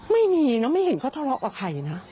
ไม่มีเนอะไม่เห็นเขาทะเลาะกับใครนะ